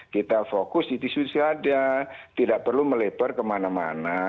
kita fokus di disusada tidak perlu melebar kemana mana